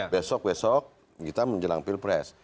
besok besok kita menjelang pilpres